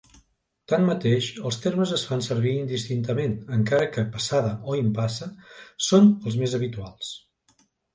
Tanmateix, els termes es fan servir indistintament, encara que "passada" o "impasse" són els més habituals.